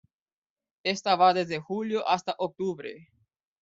Esta va desde julio hasta octubre.